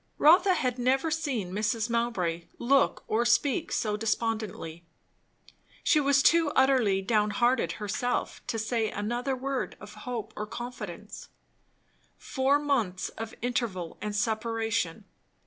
Rotha had never seen Mrs. Mowbray look or speak so despondently. She was too utterly downhearted herself to say another word of hope or confidence. Four months of interval and separation!